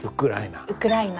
ウクライナ。